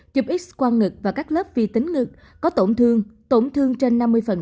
chụp x quang ngực và các lớp vi tính ngực có tổn thương tổn thương trên năm mươi